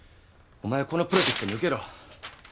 お前このプロジェクト抜けろ。